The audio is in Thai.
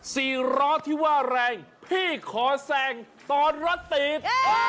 สี่ล้อที่ว่าแรงพี่ขอแซงตอนรถติด